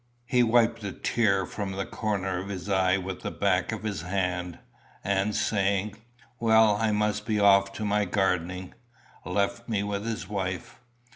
He wiped a tear from the corner of his eye with the back of his hand, and saying, "Well, I must be off to my gardening," left me with his wife.